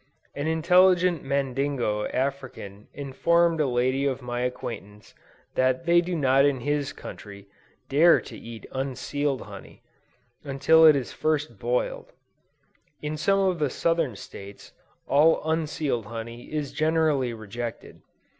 An intelligent Mandingo African informed a lady of my acquaintance, that they do not in his country, dare to eat unsealed honey, until it is first boiled. In some of the Southern States, all unsealed honey is generally rejected.